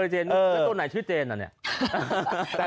เจนไหนตัวให้ชื่อเจนอะเนี่ย